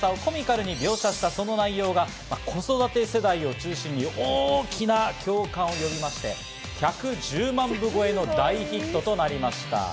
育児の大変さをコミカルに描写したその内容が子育て世代を中心に大きな共感を呼びまして、１１０万部超えの大ヒットとなりました。